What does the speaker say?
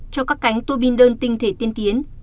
cho các cánh tô binh đơn tinh thể tiên tiến